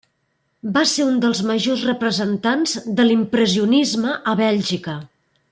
Va ser un dels majors representants de l'impressionisme a Bèlgica.